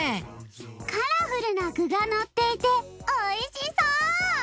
カラフルなぐがのっていておいしそう！